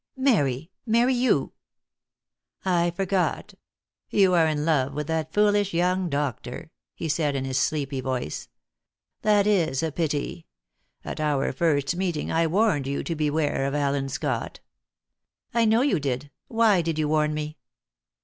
"Marry marry you!" "I forgot. You are in love with that foolish young doctor," he said in his sleepy voice. "That is a pity. At our first meeting I warned you to beware of Allen Scott." "I know you did. Why did you warn me?"